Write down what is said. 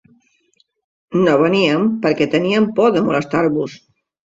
No veníem perquè teníem por de molestar-vos.